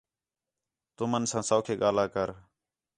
تُمن ساں سَوکھے ڳاھلا کر